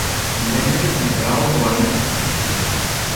Divendres na Queralt vol anar d'excursió.